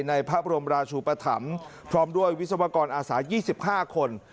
ในพระบรมราชูปธรรมพร้อมด้วยวิศวกรอาสา๒๕คน